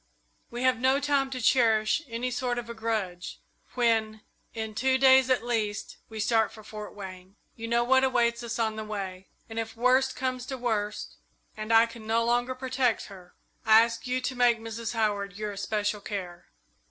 We have no time to cherish any sort of a grudge when, in two days at least, we start for Fort Wayne. You know what awaits us on the way, and if worst comes to worst, and I can no longer protect her, I ask you to make Mrs. Howard your especial care."